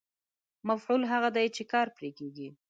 مفعول هغه دی چې کار پرې کېږي.